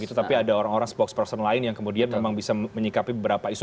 tapi ada orang orang spoxperson lain yang kemudian memang bisa menyikapi beberapa isu